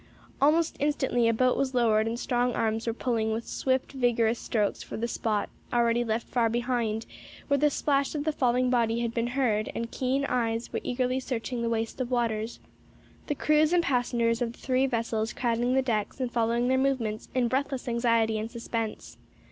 Almost instantly a boat was lowered and strong arms were pulling with swift, vigorous strokes for the spot, already left far behind, where the splash of the falling body had been heard, and keen eyes were eagerly searching the waste of waters; the crews and passengers of the three vessels crowding the decks and following their movements in breathless anxiety and suspense.